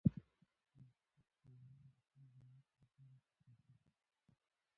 شاه محمود د ایران د پوځ د ماتې لپاره کوښښ وکړ.